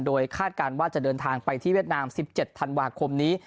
โดยคาดการณ์ว่าจะเดินทางไปที่เวียดนาม๑๗ธันวาคมนี้